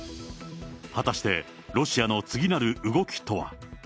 果たしてロシアの次なる動きとは。